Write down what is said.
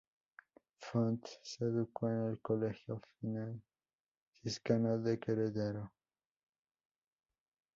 Font se educó en el Colegio Franciscano de Queretaro.